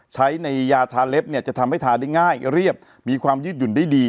ใช้ในยาทาเล็บเนี่ยจะทำให้ทาได้ง่ายเรียบมีความยืดหยุ่นได้ดี